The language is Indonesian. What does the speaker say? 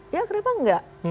ya kenapa enggak